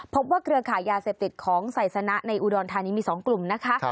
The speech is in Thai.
พบว่าเกลือข่ายยาเสพติดของใส่สนะในอุดรณ์ธานีมี๒กลุ่มนะคะ